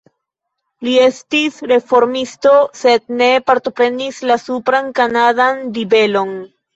Li estis reformisto sed ne partoprenis la supran kanadan ribelon.